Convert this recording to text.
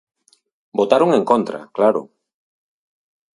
Votaron en contra, claro.